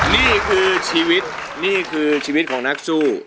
นี่คือชีวิตนี่คือชีวิตของนักสู้